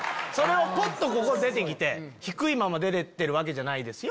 ぽっとここ出て来て低いまま出てるわけじゃないですよ！